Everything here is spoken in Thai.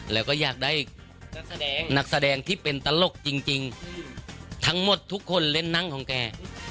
แล้วก็อยากได้นักแสดงนักแสดงที่เป็นตลกจริงทั้งหมดทุกคนเล่นนั่งของแก